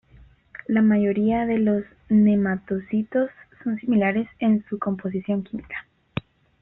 La mayoría de los nematocistos son similares en su composición química.